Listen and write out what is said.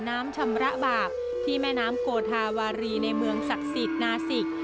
น้ำชำระบาปที่แม่น้ำโกธาวารีในเมืองศักดิ์สิทธิ์นาศิก